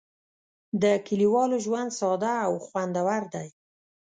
د کلیوالو ژوند ساده او خوندور دی.